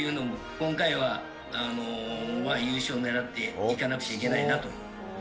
今回は、まあ優勝を狙っていかなくちゃいけないなと。